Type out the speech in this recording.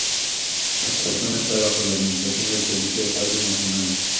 La zona está bajo la administración del Servicio de Parques Nacionales.